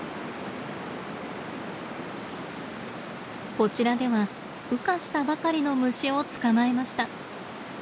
こちらでは羽化したばかりの虫を捕まえました。